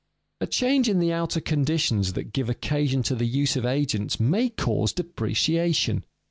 _A change in the outer conditions that give occasion to the use of agents may cause depreciation.